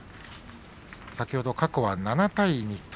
先ほど、過去は７対２栃